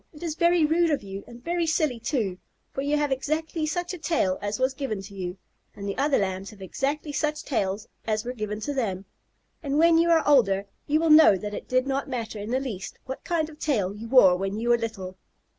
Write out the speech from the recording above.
It is very rude of you, and very silly too, for you have exactly such a tail as was given to you, and the other Lambs have exactly such tails as were given to them, and when you are older you will know that it did not matter in the least what kind of tail you wore when you were little."